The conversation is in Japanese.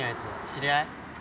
知り合い？